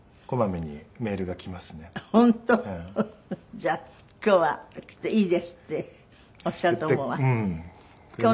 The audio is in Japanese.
じゃあ今日はきっと「いいです」っておっしゃると思うわ。